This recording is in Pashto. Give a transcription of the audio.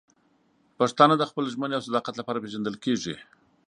پښتانه د خپل ژمنې او صداقت لپاره پېژندل کېږي.